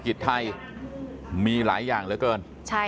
การสอบส่วนแล้วนะ